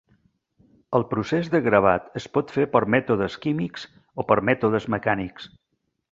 El procés de gravat es pot fer per mètodes químics o per mètodes mecànics.